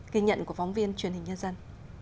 kỳ nhận của phóng viên truyền hình nhân dân